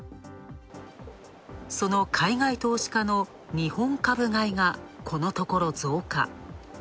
その海外投資家の日本株買いがこのところ増加。